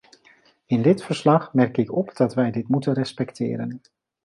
In dit verslag merk ik op dat wij dit moeten respecteren.